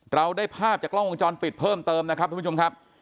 เราได้ภาพจากกล้องวงจรปิดเพิ่มเติมนะครับทุกผู้ชมครับ